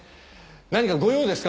何かご用ですか？